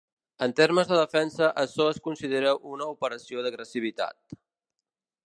En termes de defensa açò es considera una operació d'agressivitat.